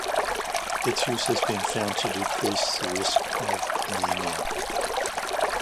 Its use has been found to decrease the risk of anemia.